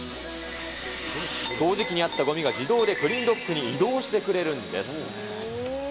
掃除機にあったごみが自動でクリーンドッグに移動してくれるんです。